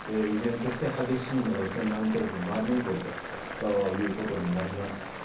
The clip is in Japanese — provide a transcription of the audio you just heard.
依然として激しいのが南東部のマリウポリということになります。